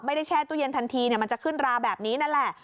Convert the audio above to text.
แช่ตู้เย็นทันทีมันจะขึ้นราแบบนี้นั่นแหละ